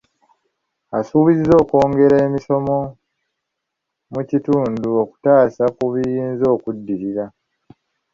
Asuubiza okwongera emisomo mu kitundu, okutaasa ku biyinza okuddirira.